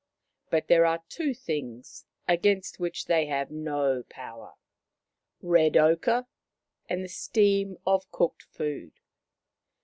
But there are two things against which they have no power — red ochre and the steam of cooked food.